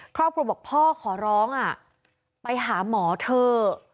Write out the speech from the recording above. ครอบครัวบอกพ่อขอร้องไปหาหมอเถอะ